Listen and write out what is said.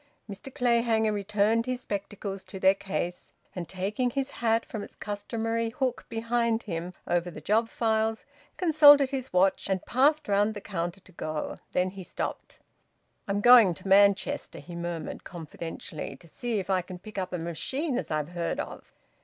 Mr Clayhanger returned his spectacles to their case, and taking his hat from its customary hook behind him, over the job files, consulted his watch and passed round the counter to go. Then he stopped. "I'm going to Manchester," he murmured confidentially. "To see if I can pick up a machine as I've heard of."